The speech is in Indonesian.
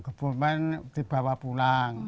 kebumen dibawa pulang